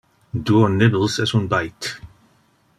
Duo nibbles es un byte.